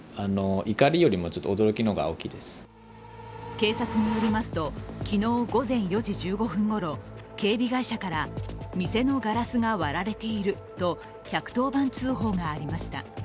警察によりますと、昨日午前４時１５分ごろ、警備会社から、店のガラスが割られていると１１０番通報がありました。